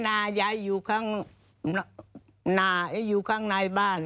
เขาอยู่ที่นายายอยู่ข้างนายบ้าน